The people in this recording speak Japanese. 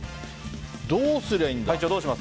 どうすればいいんだ。